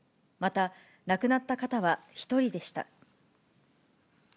また、亡くなった方は１人でした。